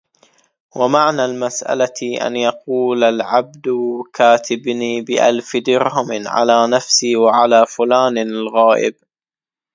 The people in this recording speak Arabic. وَمَعْنَى الْمَسْأَلَةِ أَنْ يَقُولَ الْعَبْدُ كَاتِبْنِي بِأَلْفِ دِرْهَمٍ عَلَى نَفْسِي وَعَلَى فُلَانٍ الْغَائِبِ